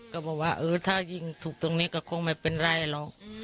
ก็บอกว่าเออถ้ายิงถูกตรงนี้ก็คงไม่เป็นไรหรอก